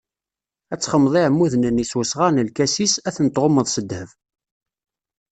Ad txedmeḍ iɛmuden-nni s wesɣar n lkasis, ad ten-tɣummeḍ s ddheb.